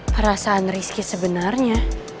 perasaan risky sebenernya